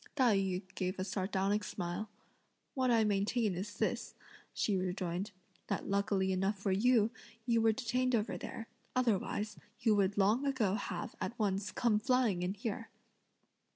Tai yü gave a sardonic smile. "What I maintain is this," she rejoined, "that lucky enough for you, you were detained over there; otherwise, you would long ago have, at once, come flying in here!"